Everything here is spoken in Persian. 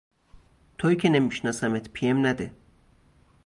تویی که نمی شناسمت پی ام نده